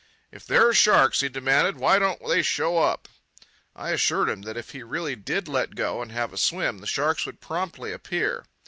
"If there are sharks," he demanded, "why don't they show up?" I assured him that if he really did let go and have a swim the sharks would promptly appear.